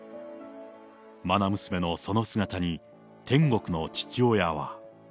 まな娘のその姿に、天国の父親は。